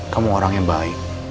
kamu orang yang baik